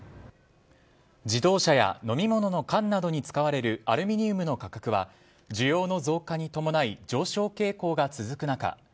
自動車や飲み物の缶などに使われる、アルミニウムの価格は需要の増加に伴い上昇傾向が続く中